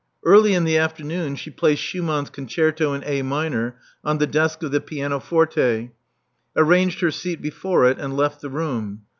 Early in the afternoon she placed Schumann's concerto in A minor on the desk of the pianoforte; arranged her seat be fore it; and left the room.